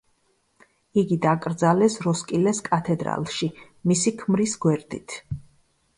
იგი დაკრძალეს როსკილეს კათედრალში, მისი ქმრის გვერდით.